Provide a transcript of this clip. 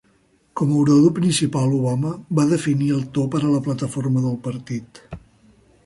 Com a orador principal, Obama va definir el to per a la plataforma del partit.